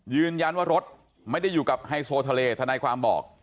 ยืนยันว่ารถไม่ได้อยู่กับไฮโซทะเลธนายความบอก